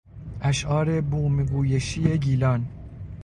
اشعار بوم گویشی گیلان